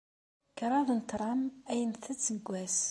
Kraḍt n tram ay nttett deg wass.